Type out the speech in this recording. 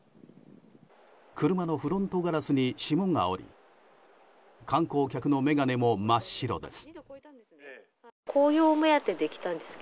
車のフロントガラスに霜が降り観光客の眼鏡も真っ白です。